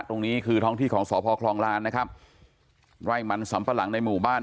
ตรงนี้คือท้องที่ของสพคลองลานนะครับไร่มันสำปะหลังในหมู่บ้าน